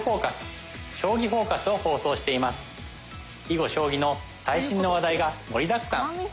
囲碁将棋の最新の話題が盛りだくさん。